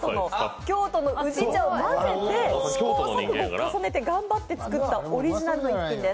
京都の宇治茶を混ぜて試行錯誤を重ねて頑張って作ったオリジナルの一品です。